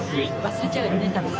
忘れちゃうよね